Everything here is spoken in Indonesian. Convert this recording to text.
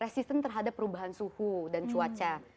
resisten terhadap perubahan suhu dan cuaca